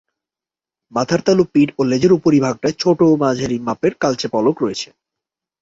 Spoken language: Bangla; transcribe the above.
মাথার তালু, পিঠ ও লেজের উপরিভাগটায় ছোট ও মাঝারি মাপের কালচে পালক রয়েছে।